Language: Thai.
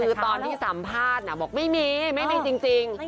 คือตอนที่สัมภาษณ์บอกไม่มีไม่มีจริง